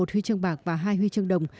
một huy chương bạc và hai huy chương đồng